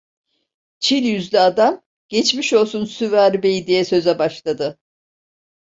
Çil yüzlü adam: "Geçmiş olsun Süvari Bey!" diye söze başladı.